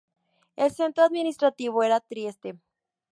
El centro administrativo era Trieste.